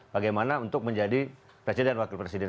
bagaimana untuk menjadi presiden dan wakil presiden